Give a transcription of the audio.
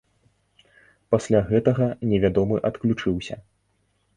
Пасля гэтага невядомы адключыўся.